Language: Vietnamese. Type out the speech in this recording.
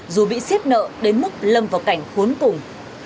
dù bị xếp nợ đến mức lâm vào cảnh cuốn cùng